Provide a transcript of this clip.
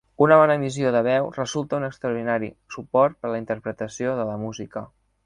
Una bona emissió de veu resulta un extraordinari suport per la interpretació de la música.